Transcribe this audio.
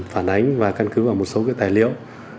phản ánh và căn cứ vào một số tài liệu